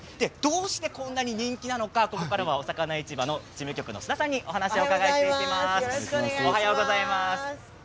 どうしてこんなに人気なのかおさかな市場の事務局の須田さんにお話を伺います。